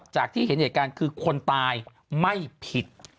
ที่เห็นเหตุการณ์คือคนตายไม่ผิด